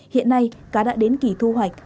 hiện nay cá đã đến kỷ thu hoạch